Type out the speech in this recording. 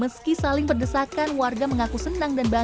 meski saling berdesakan warga mengaku senang dan bahagia